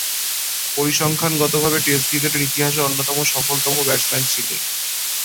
পরিসংখ্যানগতভাবে test ক্রিকেটের ইতিহাসে অন্যতম সফলতম ব্যাটসম্যান ছিলেন।